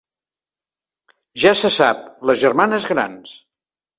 Ja se sap, les germanes grans!